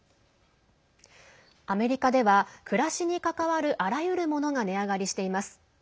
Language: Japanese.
アメリカでは暮らしに関わるあらゆるものが値上がりしています。